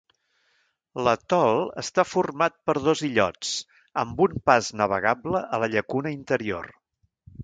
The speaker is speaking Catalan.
L'atol està format per dos illots, amb un pas navegable a la llacuna interior.